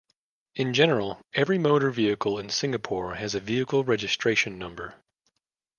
In general, every motor vehicle in Singapore has a vehicle registration number.